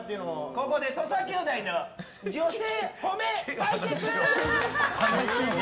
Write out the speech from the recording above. ここで土佐兄弟の女性褒め対決！